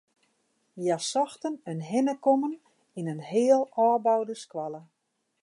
Hja sochten in hinnekommen yn in heal ôfboude skoalle.